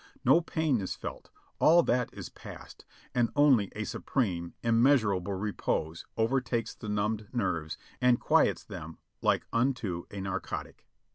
No pain is felt, all that is past; and only a supreme,, immeasurable repose overtakes the numbed nerves and quiets them like unto a narcotic.